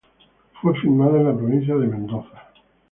Fue filmada en la provincia de Mendoza.